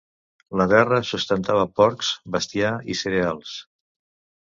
La terra sustentava porcs, bestiar i cereals.